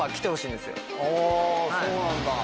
あぁそうなんだ。